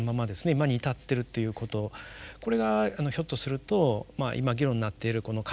今に至っているっていうことこれがひょっとすると今議論になっているカルト問題のですね